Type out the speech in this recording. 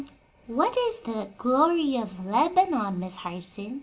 What is 'the glory of Lebanon,' Miss Harson?"